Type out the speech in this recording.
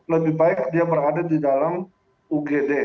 lebih baik dia berada di dalam ugd